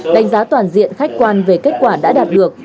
đánh giá toàn diện khách quan về kết quả đã đạt được